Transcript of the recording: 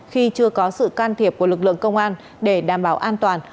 khi chưa có sự can thiệp của lực lượng công an để đảm bảo an toàn